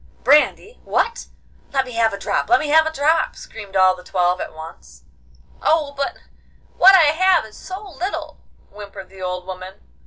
'Brandy! What! Let me have a drop! Let me have a drop!' screamed all the twelve at once. 'Oh, but what I have is so little,' whimpered the old woman.